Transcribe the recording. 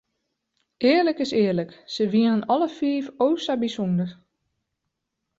Earlik is earlik, se wienen alle fiif o sa bysûnder.